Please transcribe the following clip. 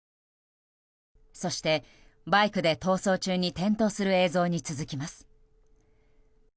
そして、バイクで逃走中に転倒する映像に続きます。